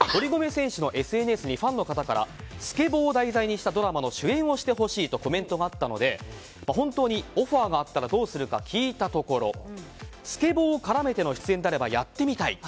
堀米選手のＳＮＳにファンの方からスケボーを題材にしたドラマの主演をしてほしいとコメントがあったので本当に、オファーがあったらどうするのか聞いたところスケボーを絡めての出演であればやってみたい。